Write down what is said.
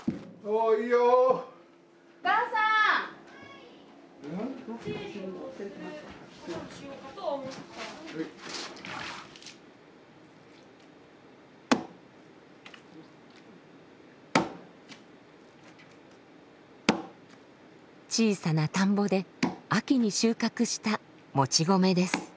小さな田んぼで秋に収穫したもち米です。